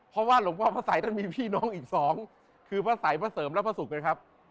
เพราะว่าหลวงพ่อพระสัยท่านมีพี่น้องอีกสองคือพระสัยพระเสริมและพระศุกร์นะครับ